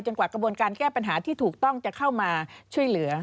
กว่ากระบวนการแก้ปัญหาที่ถูกต้องจะเข้ามาช่วยเหลือ